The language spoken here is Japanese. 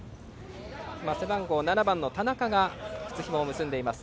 背番号７の田中が靴ひもを結んでいます。